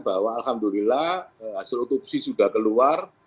bahwa alhamdulillah hasil otopsi sudah keluar